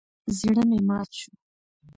زړه مې مات شو.